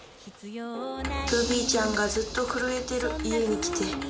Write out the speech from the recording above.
ルビーちゃんがずっと震えてる家に来て。